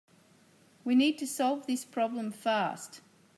We need to solve this problem fast.